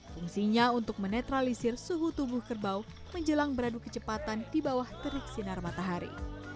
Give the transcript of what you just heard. fungsinya untuk menetralisir suhu tubuh kerbau menjelang beradu kecepatan di bawah terik sinar matahari